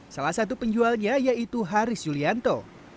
salah satu penjualnya yaitu haris yulianto